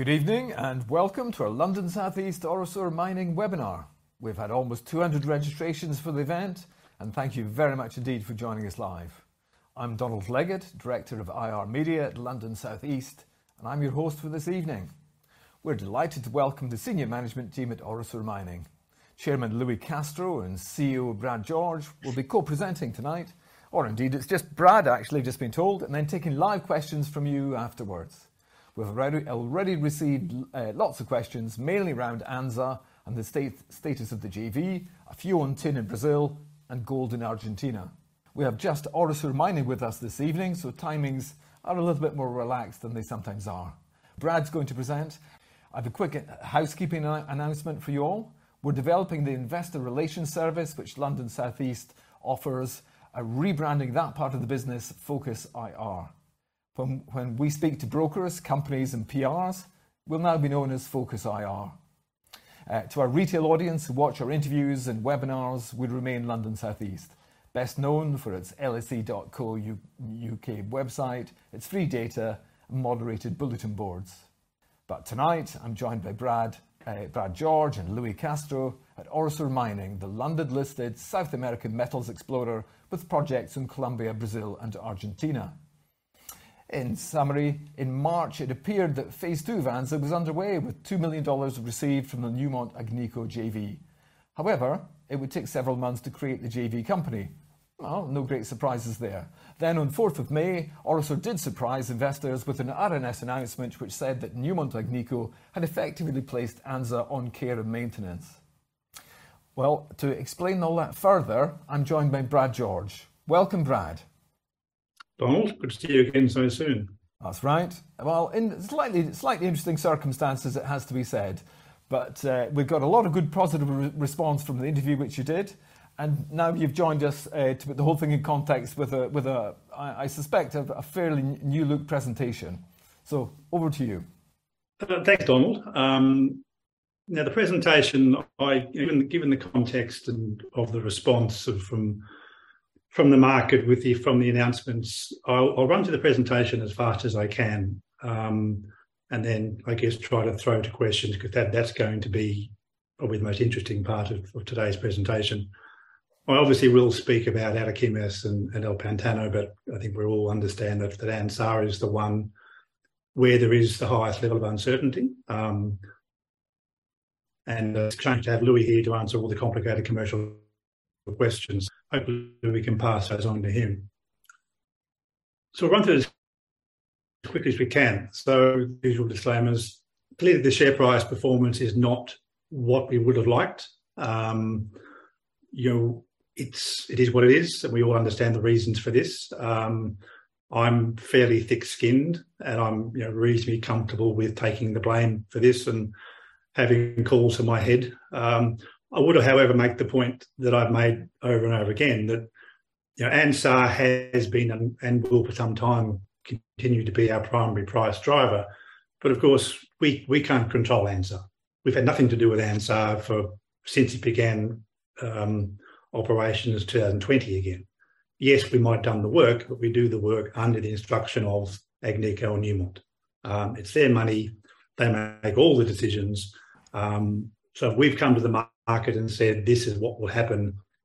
Good evening and welcome to our London South East Orosur Mining webinar. We've had almost 200 registrations for the event, and thank you very much indeed for joining us live. I'm Donald Leggatt, Director of IR Media at London South East, and I'm your host for this evening. We're delighted to welcome the senior management team at Orosur Mining. Chairman Louis Castro and CEO Brad George will be co-presenting tonight, or indeed it's just Brad actually, just been told, and then taking live questions from you afterwards. We've already received lots of questions, mainly around Anzá and the state, status of the JV, a few on tin in Brazil and gold in Argentina. We have just Orosur Mining with us this evening, so timings are a little bit more relaxed than they sometimes are. Brad's going to present. I have a quick housekeeping announcement for you all. We're developing the investor relations service which London South East offers, are rebranding that part of the business focusIR. Whenever we speak to brokers, companies and PRs, we'll now be known as focusIR. To our retail audience who watch our interviews and webinars, we remain London South East, best known for its lse.co.uk website, its free data, and moderated bulletin boards. Tonight I'm joined by Brad George and Louis Castro at Orosur Mining, the London-listed South American metals explorer with projects in Colombia, Brazil and Argentina. In summary, in March it appeared that phase II of Anzá was underway with $2 million received from the Newmont Agnico JV. However, it would take several months to create the JV company. Well, no great surprises there. On fourth of May, Orosur did surprise investors with an RNS announcement which said that Agnico Eagle Newmont had effectively placed Anzá on care and maintenance. Well, to explain all that further, I'm joined by Brad George. Welcome, Brad. Donald, good to see you again so soon. That's right. Well, in slightly interesting circumstances it has to be said. We've got a lot of good positive response from the interview which you did, and now you've joined us to put the whole thing in context with, I suspect, a fairly new look presentation. Over to you. Thanks, Donald. Now the presentation, given the context and of the response from the market with the from the announcements, I'll run through the presentation as fast as I can. Then I guess try to throw to questions, because that's going to be probably the most interesting part of today's presentation. I obviously will speak about Ataquimes and El Pantano, but I think we all understand that Anzá is the one where there is the highest level of uncertainty. It's great to have Louis here to answer all the complicated commercial questions. Hopefully we can pass those on to him. I'll run through this as quick as we can. Usual disclaimers, clearly the share price performance is not what we would have liked. You know, it is what it is, and we all understand the reasons for this. I'm fairly thick-skinned, and you know, reasonably comfortable with taking the blame for this and having calls on my head. I would, however, make the point that I've made over and over again that you know, Anzá has been and will for some time continue to be our primary price driver. Of course we can't control Anzá. We've had nothing to do with Anzá since it began operations in 2020 again. Yes, we might've done the work, but we do the work under the instruction of Agnico and Newmont. It's their money. They make all the decisions. If we've come to the market and said this is what will happen,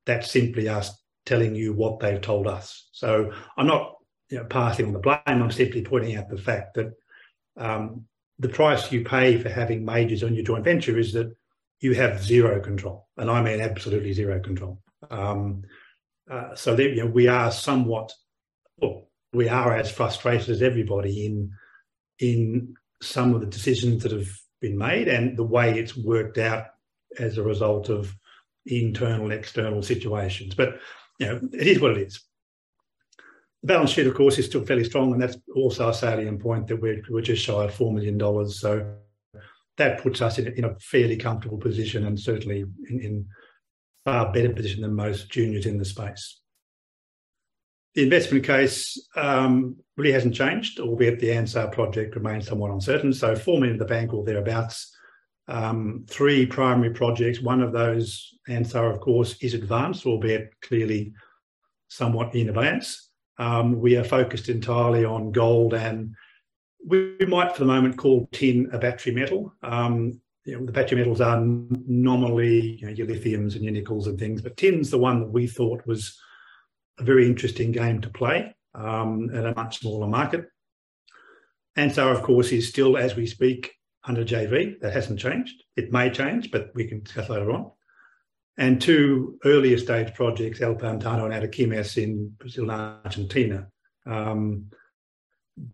that's simply us telling you what they've told us. I'm not, you know, passing the blame. I'm simply pointing out the fact that the price you pay for having majors on your joint venture is that you have zero control, and I mean absolutely zero control. You know, we are as frustrated as everybody in some of the decisions that have been made and the way it's worked out as a result of internal, external situations. You know, it is what it is. The balance sheet of course is still fairly strong, and that's also a salient point that we're just shy of $4 million. That puts us in a fairly comfortable position and certainly in a far better position than most juniors in the space. The investment case really hasn't changed, albeit the Anzá project remains somewhat uncertain. $4 million in the bank or thereabouts. Three primary projects, one of those, Anzá of course, is advanced, albeit clearly somewhat in abeyance. We are focused entirely on gold and we might for the moment call tin a battery metal. You know, the battery metals are normally, you know, your lithiums and your nickels and things, but tin's the one that we thought was a very interesting game to play, at a much smaller market. Anzá of course is still as we speak under JV. That hasn't changed. It may change, but we can discuss later on. Two earlier stage projects, El Pantano and Ataquimes in Brazil and Argentina,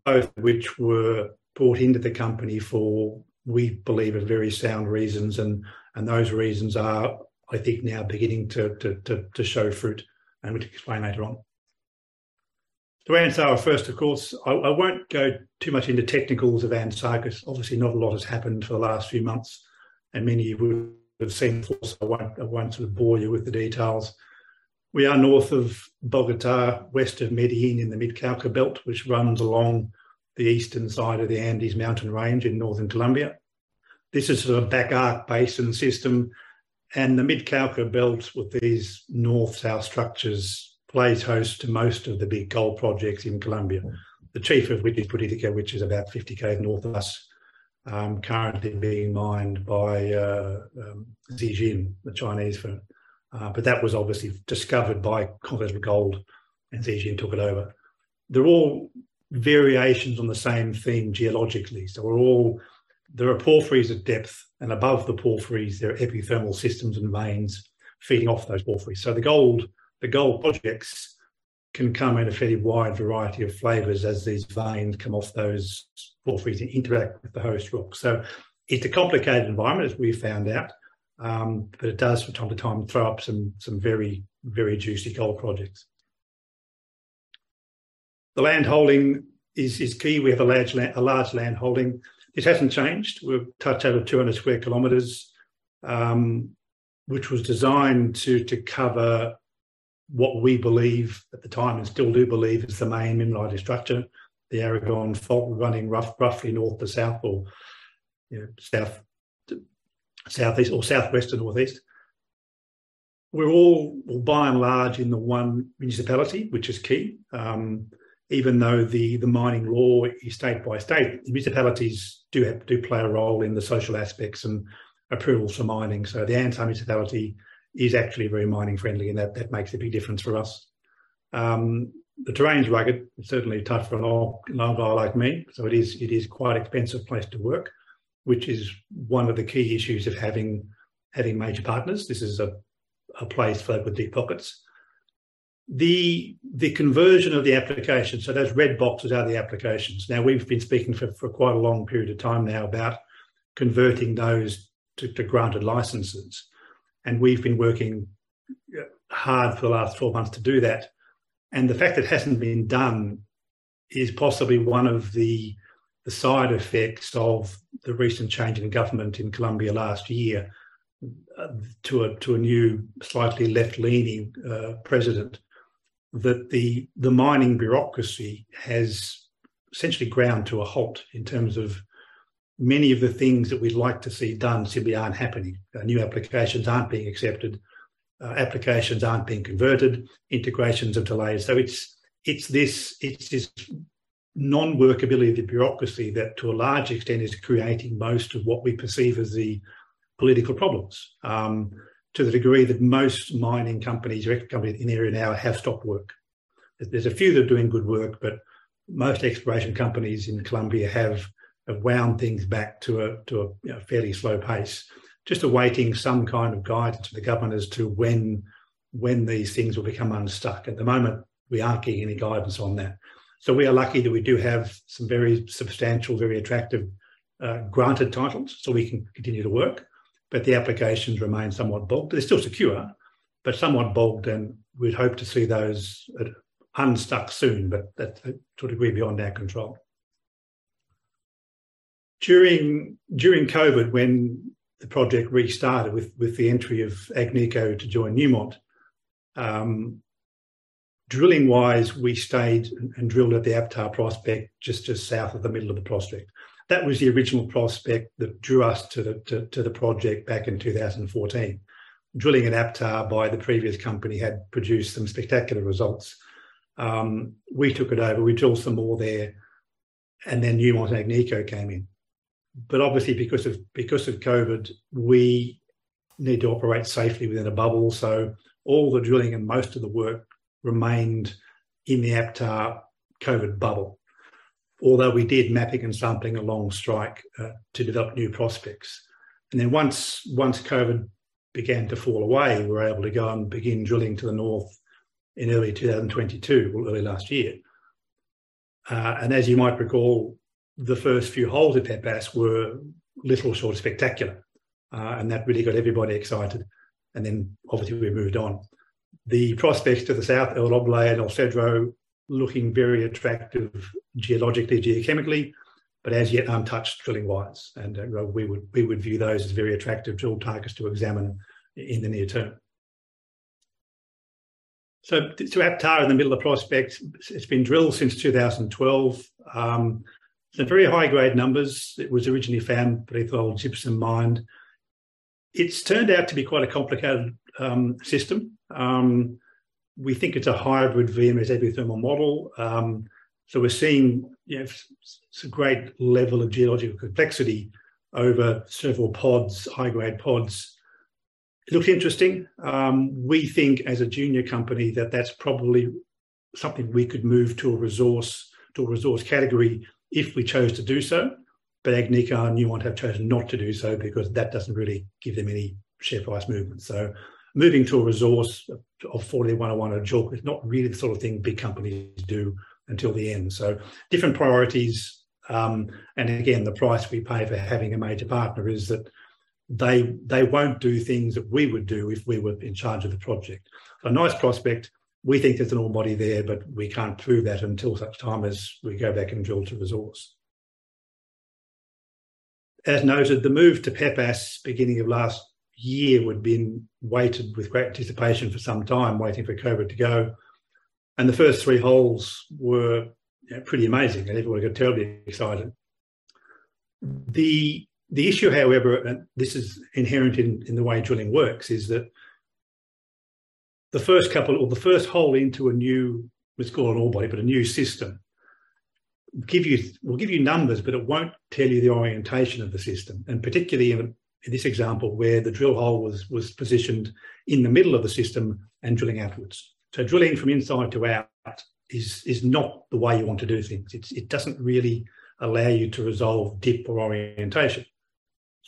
both which were brought into the company for, we believe are very sound reasons and those reasons are, I think now beginning to show fruit and we can explain later on. Anzá first of course. I won't go too much into technicals of Anzá because obviously not a lot has happened for the last few months, and many of you would have seen, I won't sort of bore you with the details. We are north of Bogotá, west of Medellín in the Mid-Cauca Belt which runs along the eastern side of the Andes mountain range in northern Colombia. This is a back-arc basin system, and the Mid-Cauca Belt with these north-south structures plays host to most of the big gold projects in Colombia. The chief of which is Buriticá, which is about 50 km north of us, currently being mined by Zijin, the Chinese firm. But that was obviously discovered by Continental Gold and Zijin took it over. They're all variations on the same theme geologically. There are porphyries at depth, and above the porphyries there are epithermal systems and veins feeding off those porphyries. The gold projects can come in a fairly wide variety of flavors as these veins come off those porphyries and interact with the host rock. It's a complicated environment, as we found out, but it does from time to time throw up some very juicy gold projects. The land holding is key. We have a large land holding. This hasn't changed. We're a touch over 200 sq km, which was designed to cover what we believe at the time, and still do believe, is the main mineralized structure. The Aragón Fault running roughly north to south or, you know, south to southeast or southwest to northeast. We're all, well, by and large in the one municipality, which is key. Even though the mining law is state by state, the municipalities do play a role in the social aspects and approvals for mining. The Antioquia municipality is actually very mining friendly, and that makes a big difference for us. The terrain's rugged. It's certainly tough for an old guy like me, so it is quite expensive place to work, which is one of the key issues of having major partners. This is a place for folk with deep pockets. The conversion of the application, so those red boxes are the applications. Now, we've been speaking for quite a long period of time now about converting those to granted licenses, and we've been working hard for the last 12 months to do that. The fact it hasn't been done is possibly one of the side effects of the recent change in government in Colombia last year to a new, slightly left-leaning president, that the mining bureaucracy has essentially ground to a halt in terms of many of the things that we'd like to see done simply aren't happening. New applications aren't being accepted. Applications aren't being converted. Integrations are delayed. It's this non-workability of the bureaucracy that, to a large extent, is creating most of what we perceive as the political problems to the degree that most mining companies or exploration companies in the area now have stopped work. There's a few that are doing good work, but most exploration companies in Colombia have wound things back to a fairly slow pace, you know, just awaiting some kind of guidance from the government as to when these things will become unstuck. At the moment, we aren't getting any guidance on that. We are lucky that we do have some very substantial, very attractive granted titles so we can continue to work, but the applications remain somewhat bogged. They're still secure, but somewhat bogged, and we'd hope to see those unstuck soon, but that's to a degree beyond our control. During COVID, when the project restarted with the entry of Agnico to join Newmont, drilling-wise, we stayed and drilled at the Apta prospect just to the south of the Mid-Cauca prospect. That was the original prospect that drew us to the project back in 2014. Drilling at Apta by the previous company had produced some spectacular results. We took it over, we drilled some more there, and then Newmont and Agnico came in. But obviously because of COVID, we need to operate safely within a bubble. So all the drilling and most of the work remained in the Apta COVID bubble. Although we did mapping and sampling along strike to develop new prospects. Once COVID began to fall away, we were able to go and begin drilling to the north in early 2022, or early last year. As you might recall, the first few holes at Pepas were little short of spectacular, and that really got everybody excited, and then obviously we moved on to the prospects to the south, El Oble and El Cedro, looking very attractive geologically, geochemically, but as yet untouched drilling-wise. We would view those as very attractive drill targets to examine in the near term. To APTA in the middle of the prospect, it's been drilled since 2012. Some very high-grade numbers. It was originally found beneath old gypsum mine. It's turned out to be quite a complicated system. We think it's a hybrid VMS epithermal model. We're seeing, you know, some great level of geological complexity over several pods, high-grade pods. It looks interesting. We think as a junior company that that's probably something we could move to a resource category if we chose to do so. Agnico and Newmont have chosen not to do so because that doesn't really give them any share price movement. Moving to an NI 43-101 resource is not really the sort of thing big companies do until the end. Different priorities, and again, the price we pay for having a major partner is that they won't do things that we would do if we were in charge of the project. A nice prospect. We think there's an ore body there, but we can't prove that until such time as we go back and drill to resource. As noted, the move to Pepas beginning of last year had been awaited with great anticipation for some time, waiting for COVID to go. The first three holes were, you know, pretty amazing, and everyone got terribly excited. The issue, however, and this is inherent in the way drilling works, is that the first couple or the first hole into a new, let's call it ore body, but a new system, will give you numbers, but it won't tell you the orientation of the system, and particularly in this example, where the drill hole was positioned in the middle of the system and drilling outwards. Drilling from inside to out is not the way you want to do things. It doesn't really allow you to resolve dip or orientation.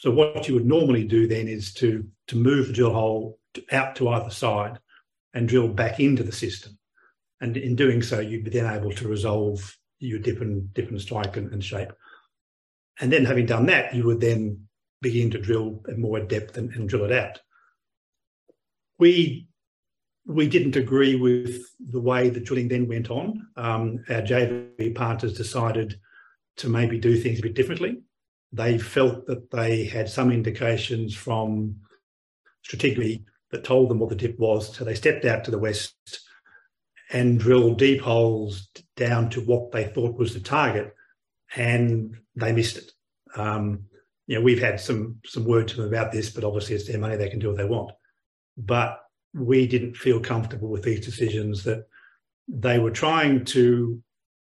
What you would normally do then is to move the drill hole out to either side and drill back into the system, and in doing so, you'd be then able to resolve your dip and strike and shape. Then having done that, you would then begin to drill at more depth and drill it out. We didn't agree with the way the drilling then went on. Our JV partners decided to maybe do things a bit differently. They felt that they had some indications from stratigraphy that told them what the dip was, so they stepped out to the west and drilled deep holes down to what they thought was the target, and they missed it. You know, we've had some words with them about this, but obviously it's their money, they can do what they want. We didn't feel comfortable with these decisions that they were trying to,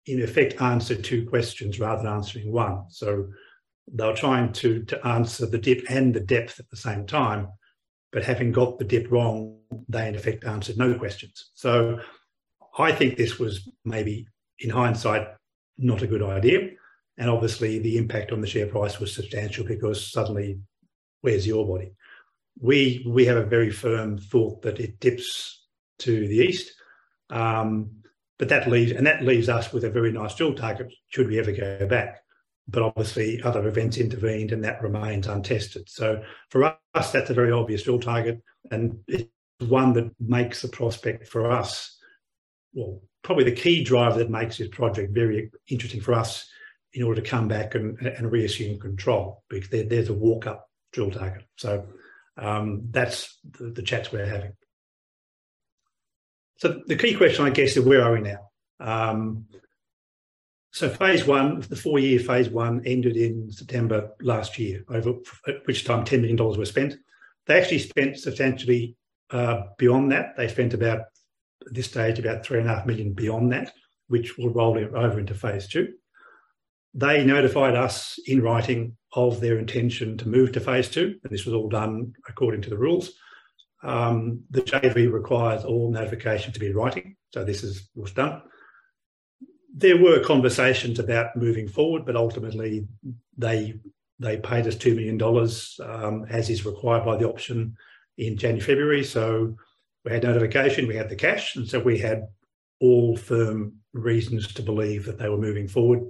in effect, answer two questions rather than answering one. They were trying to answer the dip and the depth at the same time. Having got the dip wrong, they, in effect, answered no questions. I think this was maybe, in hindsight, not a good idea, and obviously the impact on the share price was substantial because suddenly where's your ore body? We have a very firm thought that it dips to the east. But that leaves us with a very nice drill target should we ever go back. Obviously other events intervened and that remains untested. For us, that's a very obvious drill target and it's one that makes the prospect for us, well, probably the key driver that makes this project very interesting for us in order to come back and reassume control. There's a walk-up drill target. That's the chats we're having. The key question, I guess, is where are we now? Phase I, the four year phase I ended in September last year, at which time $10 million were spent. They actually spent substantially beyond that. They spent about, at this stage, $3.5 million beyond that, which will roll over into phase II. They notified us in writing of their intention to move to phase II, and this was all done according to the rules. The JV requires all notification to be in writing, so this was done. There were conversations about moving forward, but ultimately they paid us $2 million, as is required by the option in January, February. We had notification, we had the cash, and we had all firm reasons to believe that they were moving forward.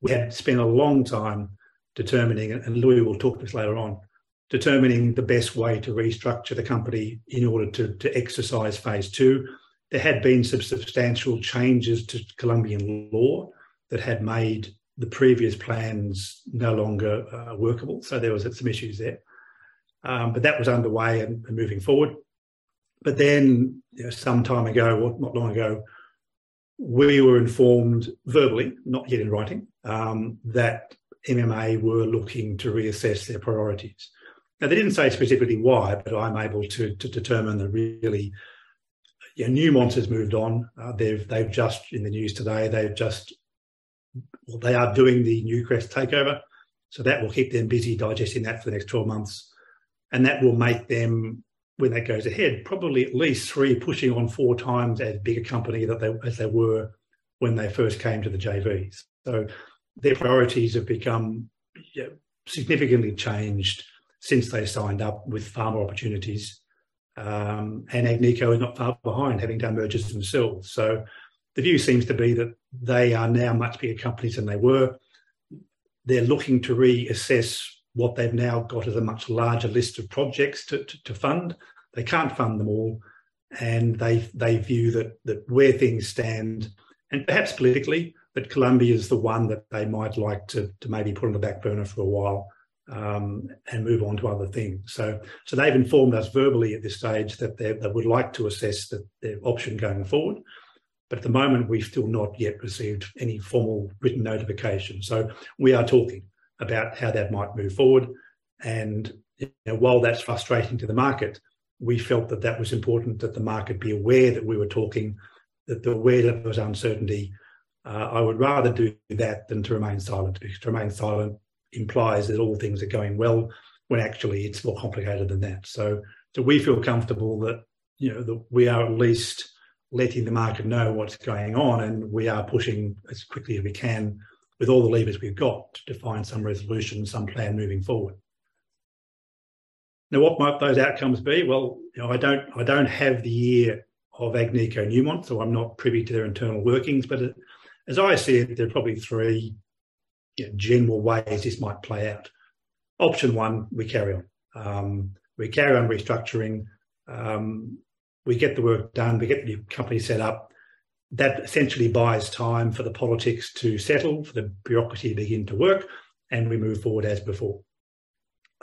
We had spent a long time determining, and Louis will talk to this later on, determining the best way to restructure the company in order to exercise phase II. There had been some substantial changes to Colombian law that had made the previous plans no longer workable, so there was some issues there. But that was underway and moving forward. You know, some time ago, well, not long ago, we were informed verbally, not yet in writing, that MMA were looking to reassess their priorities. Now, they didn't say specifically why, but I'm able to determine that really, you know, Newmont has moved on. They've just, in the news today, well, they are doing the Newcrest takeover, so that will keep them busy digesting that for the next 12 months. That will make them, when that goes ahead, probably at least three, pushing on four times as big a company that they were when they first came to the JVs. Their priorities have become, you know, significantly changed since they signed up with far more opportunities, and Agnico is not far behind, having done mergers themselves. The view seems to be that they are now much bigger companies than they were. They're looking to reassess what they've now got as a much larger list of projects to fund. They can't fund them all, and they view that where things stand, and perhaps politically, but Colombia is the one that they might like to maybe put on the back burner for a while, and move on to other things. They've informed us verbally at this stage that they would like to assess the option going forward. At the moment, we've still not yet received any formal written notification. We are talking about how that might move forward. You know, while that's frustrating to the market, we felt that that was important that the market be aware that we were talking, that they're aware that there was uncertainty. I would rather do that than to remain silent, because to remain silent implies that all things are going well, when actually it's more complicated than that. So we feel comfortable that, you know, that we are at least letting the market know what's going on, and we are pushing as quickly as we can with all the levers we've got to find some resolution, some plan moving forward. Now, what might those outcomes be? Well, you know, I don't have the ear of Agnico and Newmont, so I'm not privy to their internal workings. But as I see it, there are probably three, you know, general ways this might play out. Option one, we carry on. We carry on restructuring. We get the work done, we get the new company set up. That essentially buys time for the politics to settle, for the bureaucracy to begin to work, and we move forward as before.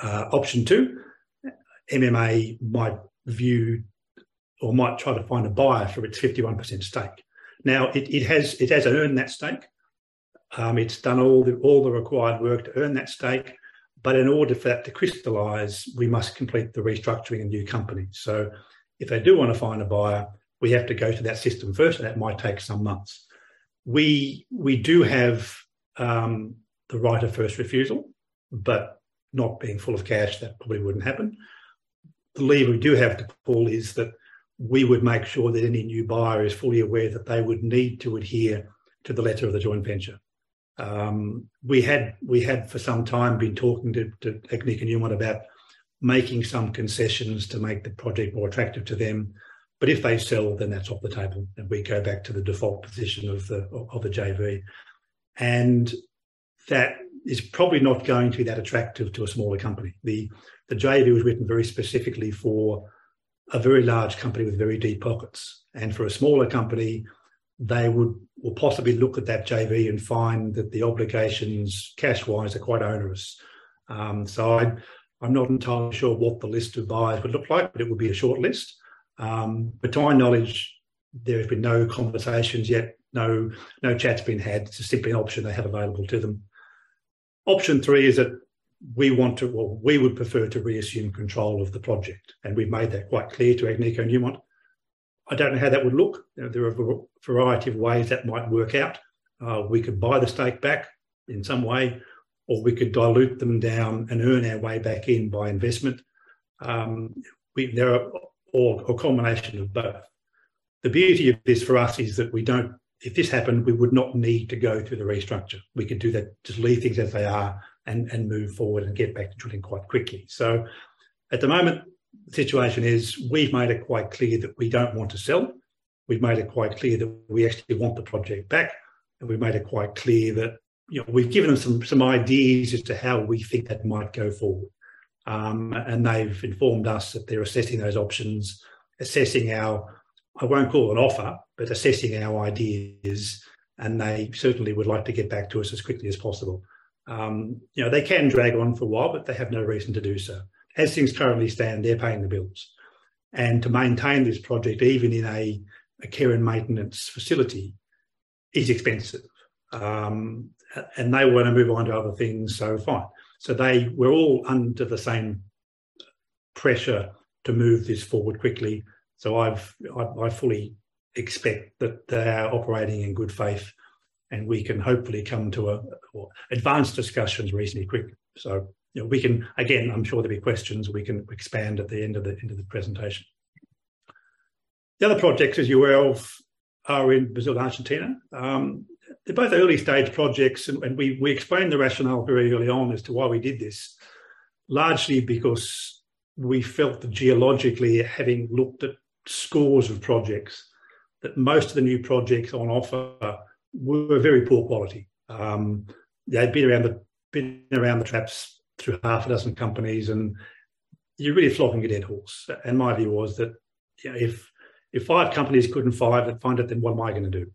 Option two, MMA might view or might try to find a buyer for its 51% stake. Now, it has earned that stake. It's done all the required work to earn that stake. In order for that to crystallize, we must complete the restructuring of new company. If they do wanna find a buyer, we have to go through that system first. That might take some months. We do have the right of first refusal, but not being full of cash, that probably wouldn't happen. The lever we do have to pull is that we would make sure that any new buyer is fully aware that they would need to adhere to the letter of the joint venture. We had for some time been talking to Agnico Eagle about making some concessions to make the project more attractive to them. If they sell, then that's off the table, and we go back to the default position of the JV. That is probably not going to be that attractive to a smaller company. The JV was written very specifically for a very large company with very deep pockets. For a smaller company, they will possibly look at that JV and find that the obligations cash-wise are quite onerous. I'm not entirely sure what the list of buyers would look like, but it would be a short list. To my knowledge, there have been no conversations yet. No chats been had. It's a simple option they have available to them. Option three is that we want to or we would prefer to reassume control of the project, and we've made that quite clear to Agnico Eagle. I don't know how that would look. You know, there are variety of ways that might work out. We could buy the stake back in some way, or we could dilute them down and earn our way back in by investment, or a combination of both. The beauty of this for us is that if this happened, we would not need to go through the restructure. We could do that, just leave things as they are and move forward and get back to trading quite quickly. At the moment, the situation is we've made it quite clear that we don't want to sell. We've made it quite clear that we actually want the project back, and we've made it quite clear that, you know, we've given them some ideas as to how we think that might go forward. They've informed us that they're assessing those options, assessing our, I won't call it an offer, but assessing our ideas, and they certainly would like to get back to us as quickly as possible. You know, they can drag on for a while, but they have no reason to do so. As things currently stand, they're paying the bills. To maintain this project, even in a care and maintenance facility, is expensive. They wanna move on to other things, so fine. They're all under the same pressure to move this forward quickly. I fully expect that they are operating in good faith, and we can hopefully come to or advance discussions reasonably quickly. You know, we can, again, I'm sure there'll be questions we can expand at the end of the presentation. The other projects as you're aware of are in Brazil and Argentina. They're both early-stage projects. We explained the rationale very early on as to why we did this, largely because we felt that geologically, having looked at scores of projects, that most of the new projects on offer were very poor quality. They'd been around the traps through six companies, and you're really flogging a dead horse. My view was that, you know, if five companies couldn't find it, then what am I gonna do?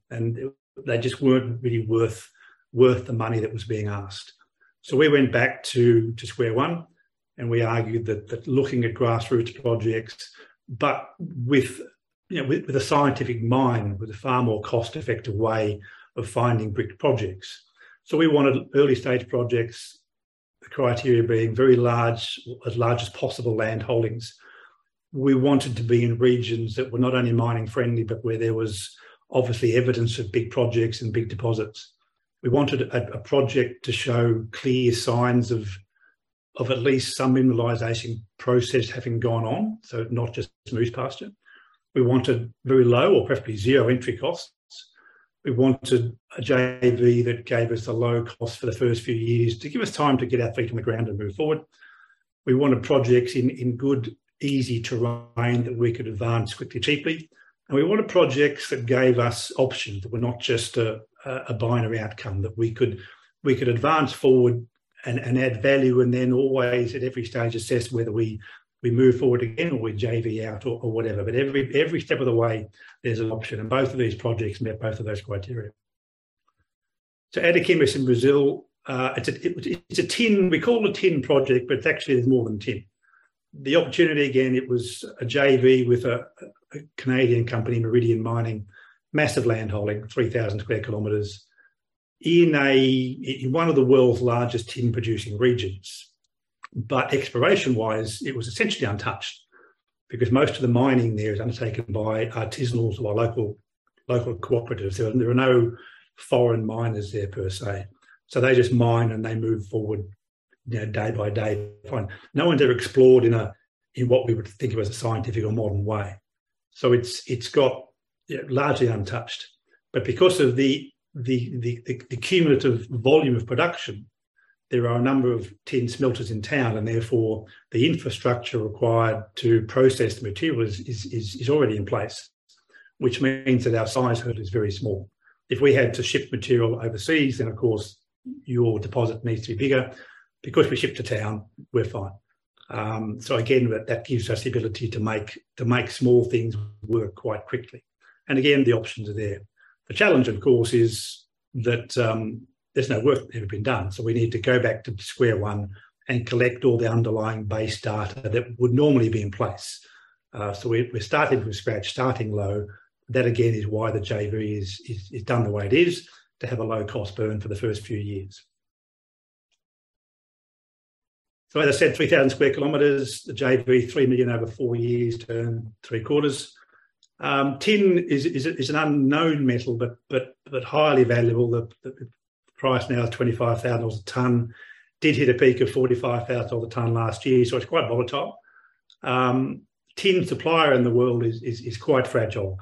They just weren't really worth the money that was being asked. We went back to square one, and we argued that looking at grassroots projects, but with, you know, with a scientific mind, with a far more cost-effective way of finding bricked projects. We wanted early-stage projects, the criteria being very large, as large as possible landholdings. We wanted to be in regions that were not only mining-friendly, but where there was obviously evidence of big projects and big deposits. We wanted a project to show clear signs of at least some mineralization process having gone on, so not just smooth pasture. We wanted very low or preferably zero entry costs. We wanted a JV that gave us a low cost for the first few years to give us time to get our feet on the ground and move forward. We wanted projects in good, easy terrain that we could advance quickly, cheaply. We wanted projects that gave us options, that were not just a binary outcome, that we could advance forward and add value, and then always at every stage assess whether we move forward again or we JV out or whatever. But every step of the way, there's an option. Both of these projects met both of those criteria. To Araxá in Brazil, it's a tin project, but it's actually more than tin. The opportunity, again, it was a JV with a Canadian company, Meridian Mining, massive landholding, 3,000 sq km, in one of the world's largest tin-producing regions. Exploration-wise, it was essentially untouched because most of the mining there is undertaken by artisanals or local cooperatives. There are no foreign miners there per se. They just mine and they move forward, you know, day by day. Fine. No one's ever explored in what we would think of as a scientific or modern way. It's got, you know, largely untouched. Because of the cumulative volume of production, there are a number of tin smelters in town, and therefore the infrastructure required to process the material is already in place, which means that our size cut-off is very small. If we had to ship material overseas, then of course your deposit needs to be bigger. Because we ship to town, we're fine. Again, that gives us the ability to make small things work quite quickly, and again, the options are there. The challenge of course is that, there's no work that had been done, so we need to go back to square one and collect all the underlying base data that would normally be in place. We're starting from scratch, starting low. That again is why the JV is done the way it is, to have a low-cost burn for the first few years. As I said, 3,000 sq km. The JV, $3 million over four years burn three quarters. Tin is an unknown metal, but highly valuable. The price now is $25,000 a ton. Did hit a peak of $45,000 a ton last year, so it's quite volatile. Tin supply in the world is quite fragile,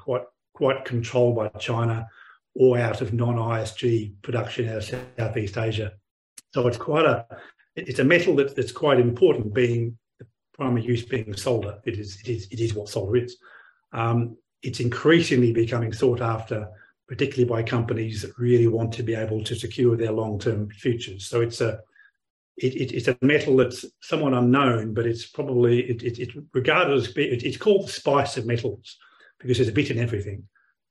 quite controlled by China or out of non-ITSG production out of Southeast Asia. It's a metal that's quite important, the primary use being solder. It is what solder is. It's increasingly becoming sought after, particularly by companies that really want to be able to secure their long-term futures. It's a metal that's somewhat unknown, but it's called the spice of metals because there's a bit in everything.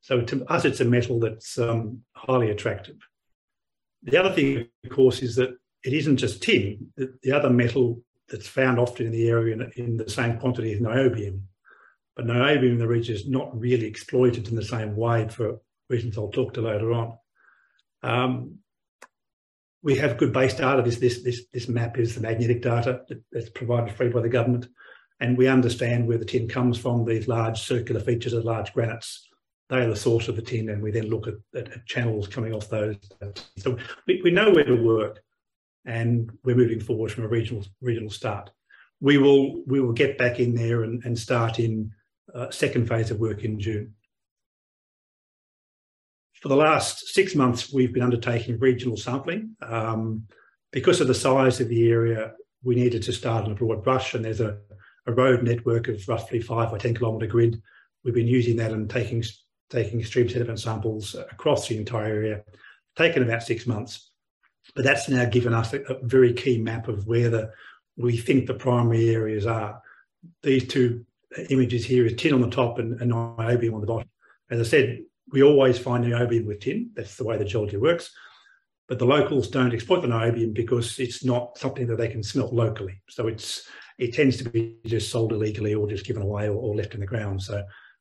To us, it's a metal that's highly attractive. The other thing of course is that it isn't just tin. The other metal that's found often in the area in the same quantity is niobium. But niobium in the region is not really exploited in the same way for reasons I'll talk to later on. We have good base data. This map is the magnetic data that's provided free by the government, and we understand where the tin comes from. These large circular features are large grants. They're the source of the tin, and we then look at channels coming off those. We know where to work, and we're moving forward from a regional start. We will get back in there and start second phase of work in June. For the last six months, we've been undertaking regional sampling. Because of the size of the area, we needed to start a broad brush, and there's a road network of roughly five by 10 km grid. We've been using that and taking extreme sediment samples across the entire area that took about six months. But that's now given us a very key map of where we think the primary areas are. These two images here is tin on the top and niobium on the bottom. As I said, we always find niobium with tin. That's the way the geology works. The locals don't exploit the niobium because it's not something that they can smelt locally. It's, it tends to be just sold illegally or just given away or left in the ground.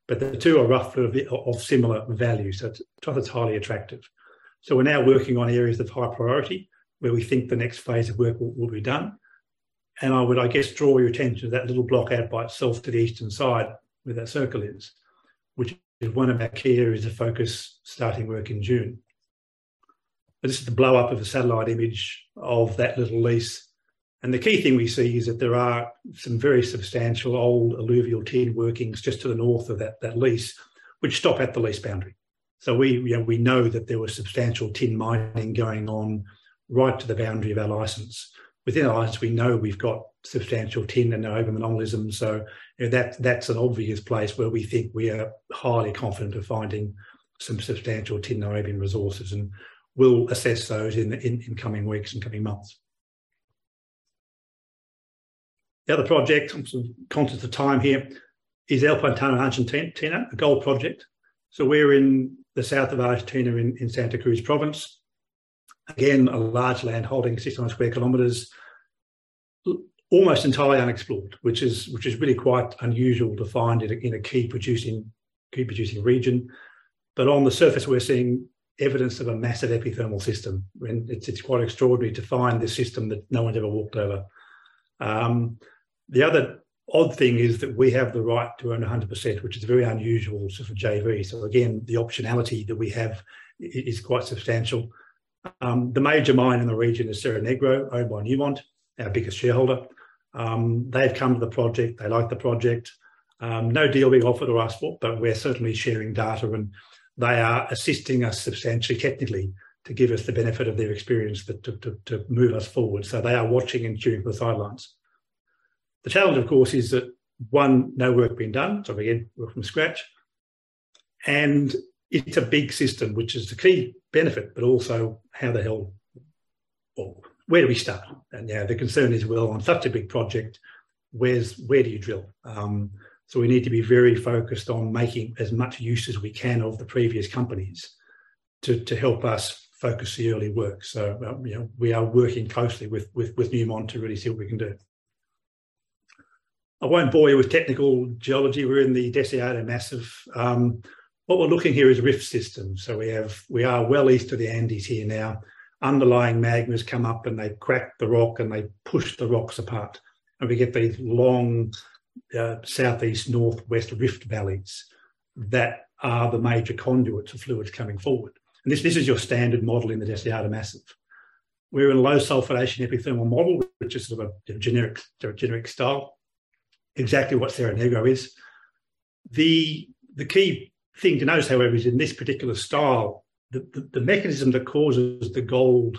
The two are roughly of similar value, so it's, sort of, it's highly attractive. We're now working on areas of high priority where we think the next phase of work will be done. I would, I guess, draw your attention to that little block out by itself to the eastern side where that circle is, which is one of our key areas of focus starting work in June. This is the blow-up of a satellite image of that little lease. The key thing we see is that there are some very substantial old alluvial tin workings just to the north of that lease, which stop at the lease boundary. We, you know, we know that there was substantial tin mining going on right to the boundary of our license. Within our license, we know we've got substantial tin and niobium anomalism. You know, that's an obvious place where we think we are highly confident of finding some substantial tin niobium resources, and we'll assess those in coming weeks and coming months. The other project, I'm sort of conscious of time here, is El Pantano, Argentina, a gold project. We're in the south of Argentina in Santa Cruz Province. Again, a large land holding, 600 sq km. Almost entirely unexplored, which is really quite unusual to find in a key producing region. On the surface, we're seeing evidence of a massive epithermal system. It's quite extraordinary to find this system that no one's ever walked over. The other odd thing is that we have the right to own 100%, which is very unusual sort of JV. Again, the optionality that we have is quite substantial. The major mine in the region is Cerro Negro, owned by Newmont, our biggest shareholder. They've come to the project. They like the project. No deal being offered or asked for, but we're certainly sharing data, and they are assisting us substantially technically to give us the benefit of their experience to move us forward. They are watching and tuned from the sidelines. The challenge of course is that, one, no work being done. Again, work from scratch. It's a big system, which is the key benefit, but also how the hell or where do we start? Yeah, the concern is, well, on such a big project, where do you drill? We need to be very focused on making as much use as we can of the previous companies to help us focus the early work. You know, we are working closely with Newmont to really see what we can do. I won't bore you with technical geology. We're in the Deseado Massif. What we're looking here is rift systems. We have. We are well east of the Andes here now. Underlying magmas come up, and they crack the rock, and they push the rocks apart, and we get these long, southeast, northwest rift valleys that are the major conduits of fluids coming forward. This is your standard model in the Deseado Massif. We're in a low sulfidation epithermal model, which is of a generic style. Exactly what Cerro Negro is. The key thing to notice, however, is in this particular style, the mechanism that causes the gold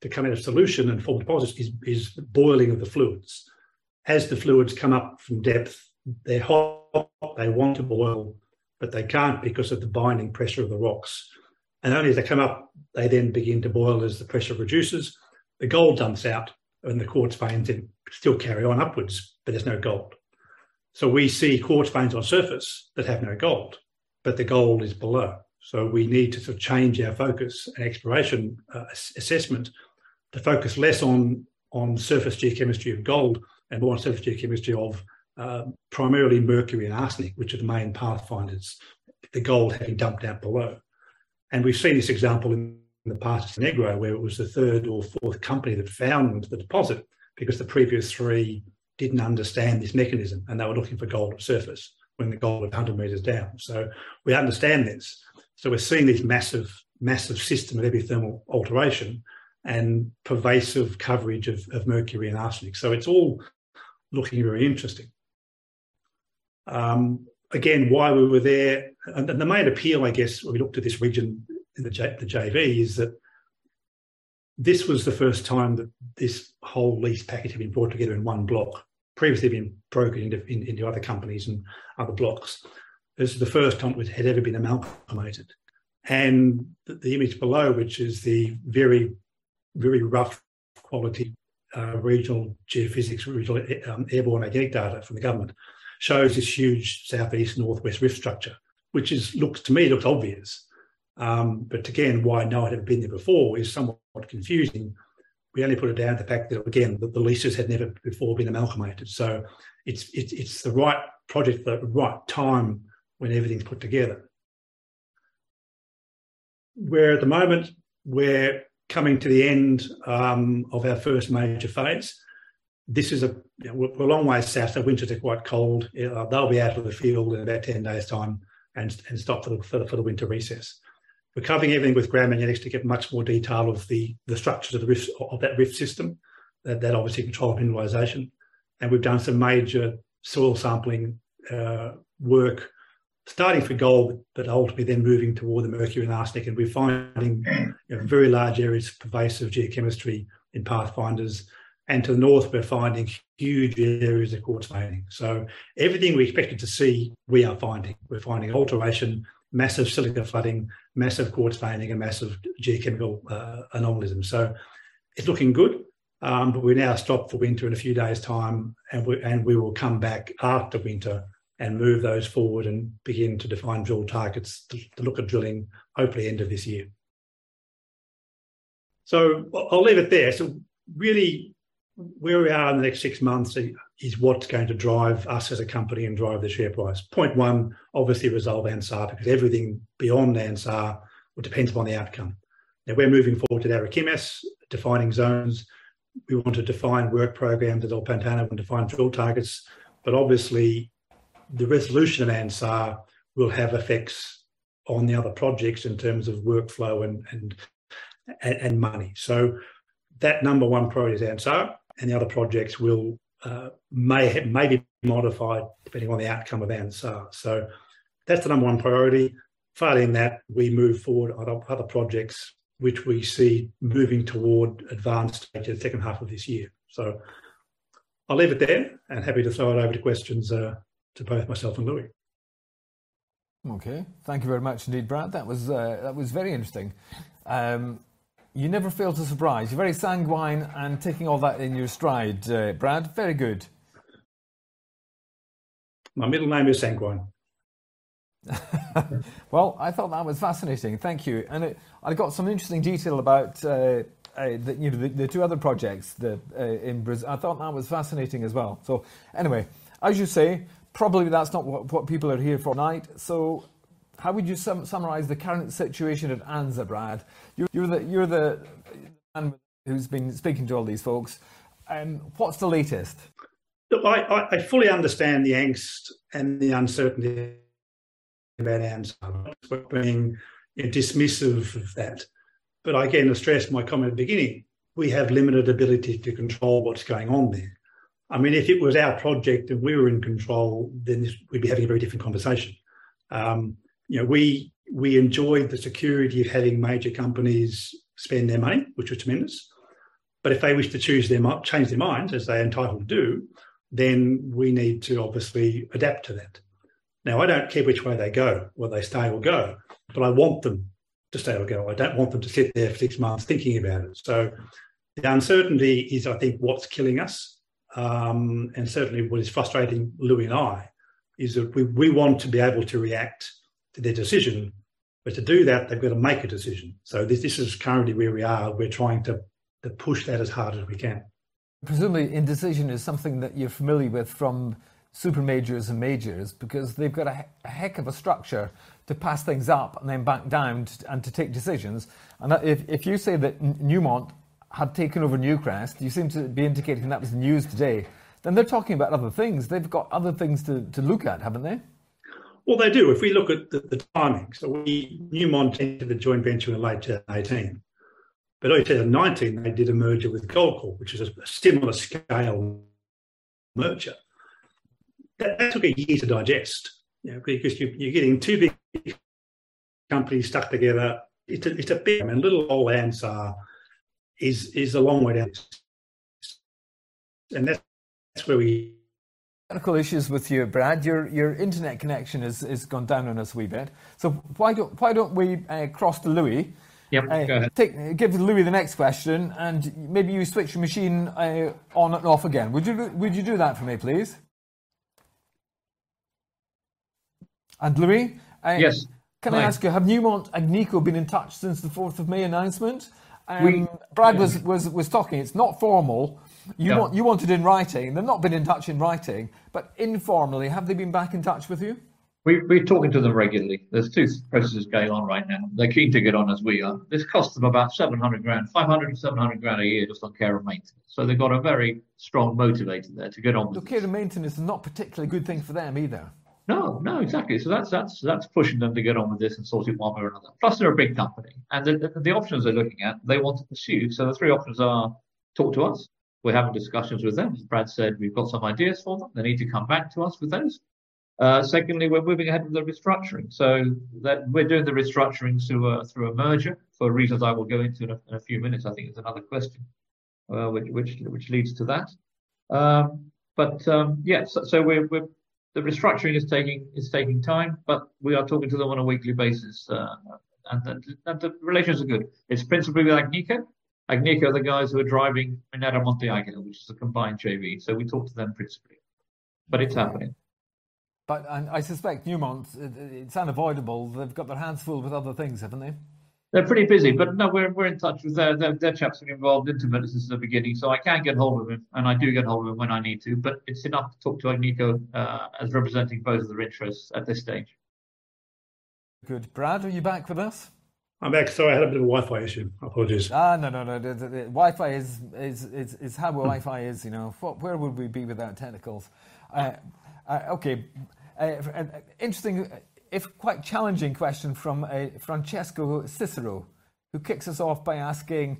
to come out of solution and form deposits is the boiling of the fluids. As the fluids come up from depth, they're hot, they want to boil. But they can't because of the confining pressure of the rocks. Only as they come up, they then begin to boil as the pressure reduces. The gold dumps out, and the quartz veins then still carry on upwards, but there's no gold. We see quartz veins on surface that have no gold, but the gold is below. We need to change our focus and exploration assessment to focus less on surface geochemistry of gold and more on surface geochemistry of primarily mercury and arsenic, which are the main pathfinders, the gold having dumped out below. We've seen this example in the past Cerro Negro, where it was the third or fourth company that found the deposit because the previous three didn't understand this mechanism, and they were looking for gold at surface when the gold was 100 meters down. We understand this. We're seeing this massive system of epithermal alteration and pervasive coverage of mercury and arsenic. It's all looking very interesting. Again, why we were there, and the main appeal, I guess, when we looked at this region in the JV, is that this was the first time that this whole lease package had been brought together in one block. Previously, it had been broken into other companies and other blocks. This is the first time it had ever been amalgamated. The image below, which is the very rough quality, regional geophysics, airborne magnetic data from the government, shows this huge southeast-northwest rift structure, which looks, to me it looks obvious. Again, why no one had been there before is somewhat confusing. We only put it down to the fact that, again, that the leases had never before been amalgamated. It's the right project at the right time when everything's put together. We're at the moment coming to the end of our first major phase. You know, we're a long way south, our winters are quite cold. They'll be out of the field in about 10 days' time and stop for the winter recess. We're covering everything with ground magnetics to get much more detail of the structures of the rift, of that rift system that obviously control mineralization. We've done some major soil sampling work starting for gold, but ultimately then moving toward the mercury and arsenic. We're finding, you know, very large areas of pervasive geochemistry in pathfinders. To the north, we're finding huge areas of quartz veining. Everything we're expecting to see, we are finding. We're finding alteration, massive silica flooding, massive quartz veining, and massive geochemical anomalies. It's looking good. We now stop for winter in a few days' time, and we will come back after winter and move those forward and begin to define drill targets to look at drilling hopefully end of this year. I'll leave it there. Really, where we are in the next six months is what's going to drive us as a company and drive the share price. Point one, obviously resolve Anzá, because everything beyond Anzá will depends upon the outcome. We're moving forward to the Ariquemes, defining zones. We want to define work programs at El Pantano and define drill targets. Obviously, the resolution of Anzá will have effects on the other projects in terms of workflow and money. That number one priority is Anzá, and the other projects may be modified depending on the outcome of Anzá. That's the number one priority. Failing that, we move forward on other projects which we see moving toward advanced stage in the second half of this year. I'll leave it there and happy to throw it over to questions, to both myself and Louis. Okay. Thank you very much indeed, Brad. That was very interesting. You never fail to surprise. You're very sanguine and taking all that in your stride, Brad. Very good. My middle name is Sanguine. Well, I thought that was fascinating. Thank you. I got some interesting detail about, you know, the two other projects. I thought that was fascinating as well. Anyway, as you say, probably that's not what people are here for tonight. How would you summarize the current situation of Anzá, Brad? You're the man who's been speaking to all these folks. What's the latest? Look, I fully understand the angst and the uncertainty about Anzá. I'm not being, you know, dismissive of that. Again, I stress my comment at the beginning, we have limited ability to control what's going on there. I mean, if it was our project and we were in control, then we'd be having a very different conversation. You know, we enjoy the security of having major companies spend their money, which was tremendous. If they wish to choose their change their minds, as they're entitled to do, then we need to obviously adapt to that. Now, I don't care which way they go, whether they stay or go, but I want them to stay or go. I don't want them to sit there for six months thinking about it. The uncertainty is, I think, what's killing us, and certainly what is frustrating Louis and I, is that we want to be able to react to their decision. To do that, they've got to make a decision. This is currently where we are. We're trying to push that as hard as we can. Presumably indecision is something that you're familiar with from super majors and majors because they've got a heck of a structure to pass things up and then back down to, and to take decisions. That if you say that Newmont had taken over Newcrest, you seem to be indicating that was news today, then they're talking about other things. They've got other things to look at, haven't they? Well, they do. If we look at the timing. Newmont entered the joint venture in late 2018. Early 2019, they did a merger with Goldcorp, which is a similar scale merger. That took a year to digest, you know, because you're getting two big companies stuck together. It's a big. I mean, little old Anzá is a long way down the list. That's where we. Technical issues with you, Brad. Your internet connection has gone down on us a wee bit. Why don't we cross to Louis? Yep, go ahead. Give Louis the next question, and maybe you switch your machine on and off again. Would you do that for me, please? Louis- Yes. Can I ask you, have Newmont and Agnico been in touch since the fourth of May announcement? We- Brad was talking, it's not formal. No. You want it in writing. They've not been in touch in writing, but informally, have they been back in touch with you? We're talking to them regularly. There's two processes going on right now. They're keen to get on as we are. This costs them about $700,000, $500,000-$700,000 a year just on care and maintenance. They've got a very strong motivator there to get on with this. Look, care and maintenance is not particularly a good thing for them either. No, exactly. That's pushing them to get on with this and sort it one way or another. Plus, they're a big company, and the options they're looking at, they want to pursue. The three options are talk to us. We're having discussions with them. As Brad said, we've got some ideas for them. They need to come back to us with those. Secondly, we're moving ahead with the restructuring so that we're doing the restructuring through a merger for reasons I will go into in a few minutes. I think there's another question which leads to that. The restructuring is taking time, but we are talking to them on a weekly basis. The relations are good. It's principally with Agnico. Agnico are the guys who are driving Minera Monte Águila, which is a combined JV. We talk to them principally. It's happening. I suspect Newmont, it's unavoidable. They've got their hands full with other things, haven't they? They're pretty busy. No, we're in touch with their chaps who were involved in this since the beginning, so I can get hold of them, and I do get hold of them when I need to. It's enough to talk to Agnico as representing both of their interests at this stage. Good. Brad, are you back with us? I'm back. Sorry, I had a bit of a Wi-Fi issue. Apologies. No. The Wi-Fi is how Wi-Fi is, you know. Where would we be without tentacles? Okay. Interesting, if quite challenging question from Francesco Cicero, who kicks us off by asking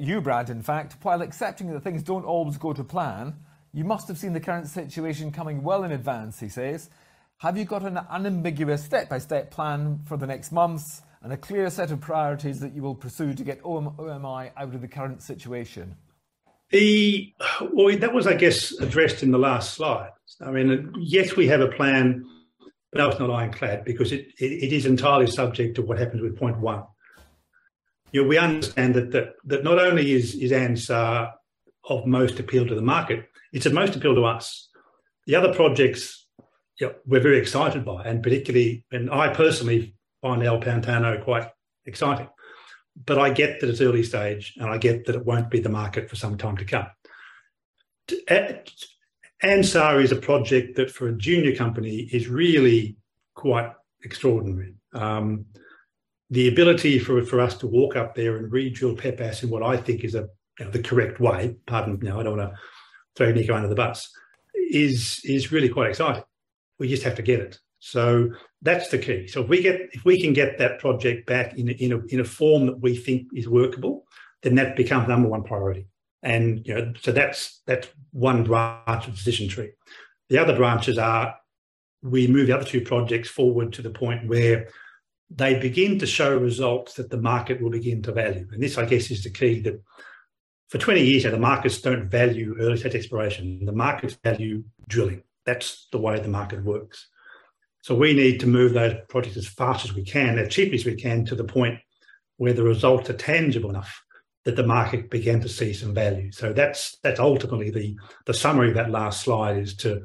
you, Brad, in fact, "While accepting that things don't always go to plan, you must have seen the current situation coming well in advance," he says. "Have you got an unambiguous step-by-step plan for the next months and a clear set of priorities that you will pursue to get OMI out of the current situation? Well, that was, I guess, addressed in the last slide. I mean, yes, we have a plan, but that's not ironclad because it is entirely subject to what happens with point one. You know, we understand that not only is Anzá of most appeal to the market, it's of most appeal to us. The other projects, you know, we're very excited by, and particularly, I personally find El Pantano quite exciting. But I get that it's early stage, and I get that it won't be the market for some time to come. Anzá is a project that, for a junior company, is really quite extraordinary. The ability for us to walk up there and re-drill Pepas in what I think is a, you know, the correct way, pardon me now, I don't wanna throw Nico under the bus, is really quite exciting. We just have to get it. That's the key. If we can get that project back in a form that we think is workable, then that becomes number one priority. You know, that's one branch of decision tree. The other branches are we move the other two projects forward to the point where they begin to show results that the market will begin to value. This, I guess, is the key that for 20 years, you know, the markets don't value early-stage exploration. The markets value drilling. That's the way the market works. We need to move those projects as fast as we can, as cheaply as we can, to the point where the results are tangible enough that the market began to see some value. That's ultimately the summary of that last slide is to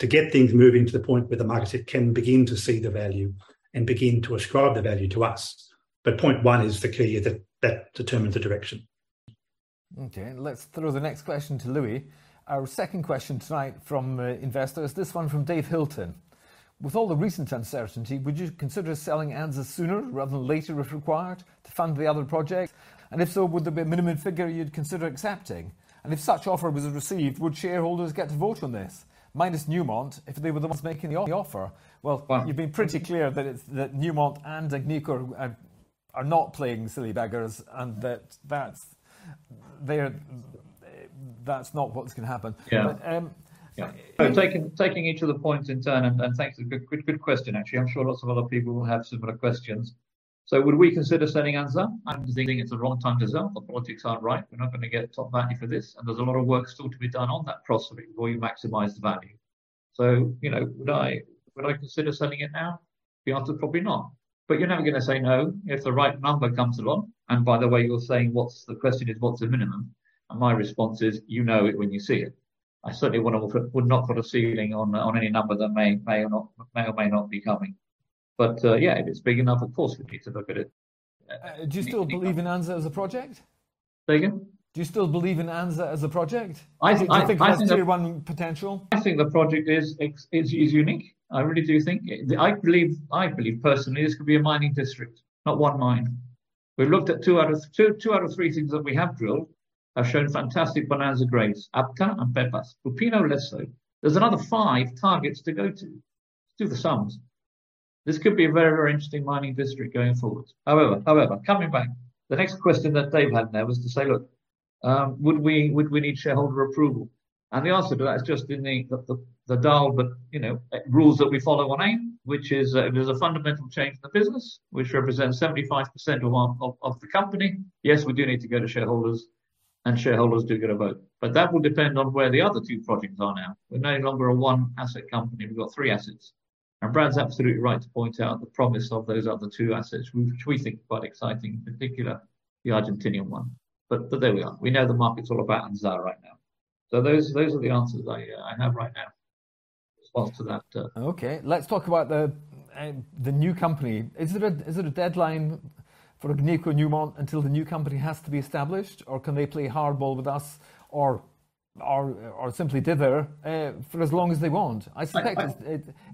get things moving to the point where the market itself can begin to see the value and begin to ascribe the value to us. Point one is the key that determines the direction. Okay, let's throw the next question to Louis. Our second question tonight from an investor is this one from Dave Hilton: "With all the recent uncertainty, would you consider selling Anzá sooner rather than later if required to fund the other projects? And if so, would there be a minimum figure you'd consider accepting? And if such offer was received, would shareholders get to vote on this, minus Newmont, if they were the ones making the offer? Well- You've been pretty clear that Newmont and Agnico are not playing silly buggers and that's not what's gonna happen. Yeah. But, um- Yeah. Taking each of the points in turn, and thanks. A good question, actually. I'm sure lots of other people will have similar questions. Would we consider selling Anzá? I think it's the wrong time to sell. The politics aren't right. We're not gonna get top value for this, and there's a lot of work still to be done on that processing before you maximize the value. You know, would I consider selling it now? The answer, probably not. You're never gonna say no if the right number comes along. By the way, you're saying, what's the question is, what's the minimum? My response is, you know it when you see it. I certainly wouldn't put a ceiling on any number that may or may not be coming. Yeah, if it's big enough, of course, we'd need to look at it. Do you still believe in Anzá as a project? Say again? Do you still believe in Anzá as a project? I think. Do you think it has tier one potential? I think the project is unique. I really do think I believe personally this could be a mining district, not one mine. We've looked at two out of three things that we have drilled have shown fantastic bonanza grades, APTA and Pepas. Lupino, less so. There's another five targets to go to. Do the sums. This could be a very, very interesting mining district going forward. However, coming back, the next question that Dave had there was to say, "Look, would we need shareholder approval?" The answer to that is just in the dull but, you know, rules that we follow on AIM, which is, if there's a fundamental change in the business which represents 75% or more of the company, yes, we do need to go to shareholders, and shareholders do get a vote. That will depend on where the other two projects are now. We're no longer a one-asset company. We've got three assets. Brad's absolutely right to point out the promise of those other two assets which we think are quite exciting, in particular the Argentinian one. There we are. We know the market's all about Anzá right now. Those are the answers I have right now in response to that. Okay, let's talk about the new company. Is it a deadline for Agnico Eagle Newmont until the new company has to be established, or can they play hardball with us or simply dither for as long as they want? I suspect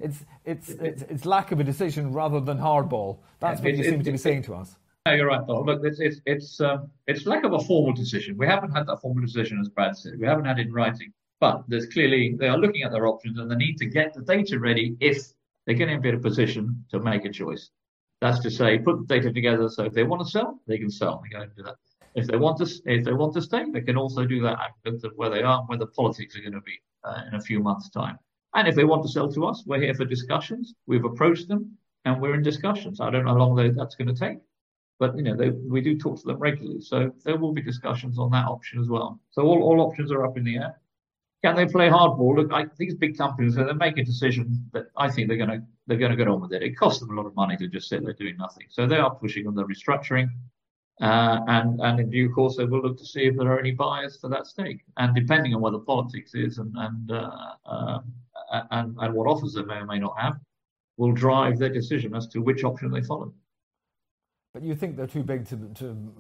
it's lack of a decision rather than hardball. That's what you seem to be saying to us. No, you're right, though. Look, it's lack of a formal decision. We haven't had that formal decision, as Brad said. We haven't had it in writing. But there's clearly they are looking at their options and the need to get the data ready if they're gonna be in a position to make a choice. That's to say, put the data together, so if they wanna sell, they can sell. They're going to do that. If they want to stay, they can also do that and look at where they are and where the politics are gonna be in a few months' time. If they want to sell to us, we're here for discussions. We've approached them, and we're in discussions. I don't know how long that's gonna take. you know, we do talk to them regularly, so there will be discussions on that option as well. All options are up in the air. Can they play hardball? Look, I think it's big companies, so they're making decisions that I think they're gonna get on with it. It costs them a lot of money to just sit there doing nothing. They are pushing on the restructuring. In due course, they will look to see if there are any buyers for that stake. Depending on what the politics is and what offers they may or may not have will drive their decision as to which option they follow. You think they're too big to, you